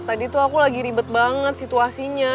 tadi tuh aku lagi ribet banget situasinya